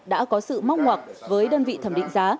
đã có sự móc ngoặc với đơn vị thẩm định giá